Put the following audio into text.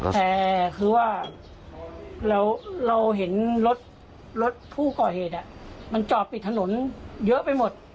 แต่คือว่าเราเห็นรถผู้ก่อเหตุมันจอดปิดถนนเยอะไปหมด